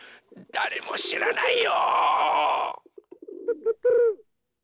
だれもしらないよ。